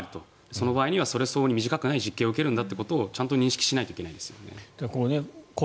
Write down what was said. その場合は、それ相応に短くない刑を受けるんだということをちゃんと認識しないといけないですよね。